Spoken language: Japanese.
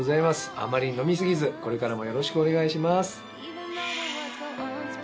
あまり飲み過ぎずこれからもよろしくお願いします。